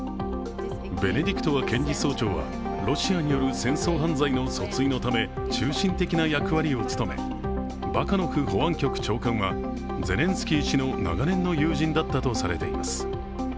ベネディクトワ検事総長はロシアによる戦争犯罪の訴追のため中心的な役割を務め、バカノフ保安局長官はゼレンスキー氏の長年の友人だったとされています。